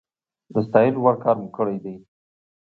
د ستايلو وړ کار مو کړی دی